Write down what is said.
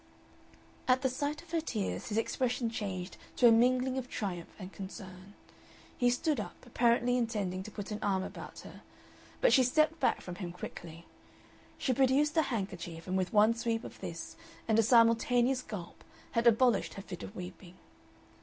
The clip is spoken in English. At the sight of her tears his expression changed to a mingling of triumph and concern. He stood up, apparently intending to put an arm about her, but she stepped back from him quickly. She produced a handkerchief, and with one sweep of this and a simultaneous gulp had abolished her fit of weeping.